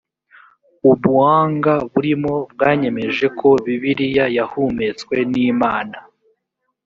ubuanga burimo bwanyemeje ko bibiliya yahumetswe n’imana